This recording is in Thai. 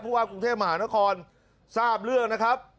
ว่ากรุงเทพมหานครทราบเรื่องนะครับ